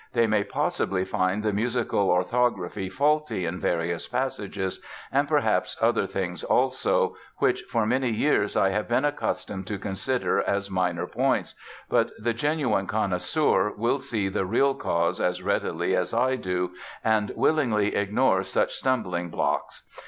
They may possibly find the musical orthography faulty in various passages, and perhaps other things also, which for so many years I have been accustomed to consider as minor points, but the genuine connoisseur will see the real cause as readily as I do, and willingly ignore such stumbling blocks.